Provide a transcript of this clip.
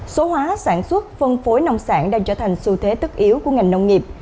số hóa sản xuất phân phối nông sản đang trở thành xu thế tất yếu của ngành nông nghiệp